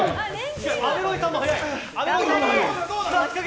阿部ロイさんも早い！